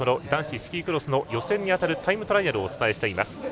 男子スキークロスの予選に当たるタイムトライアルをお伝えしています。